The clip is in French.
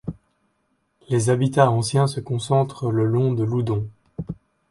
Les habitats anciens se concentrent le long de l'Oudon.